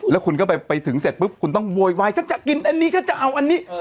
แล้วคุณก็ไปถึงเสร็จปุ๊บคุณต้องโวยวายก็จะกินอันนี้ก็จะเอาอันนี้